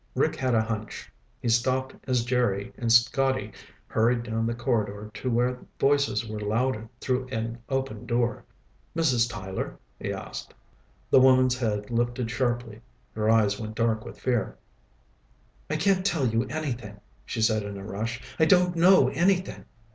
Rick had a hunch. He stopped as Jerry and Scotty hurried down the corridor to where voices were loud through an open door. "Mrs. Tyler?" he asked. The woman's head lifted sharply. Her eyes went dark with fear. "I can't tell you anything," she said in a rush. "I don't know anything."